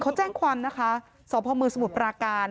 เขาแจ้งความนะคะสพมสมุทรปราการ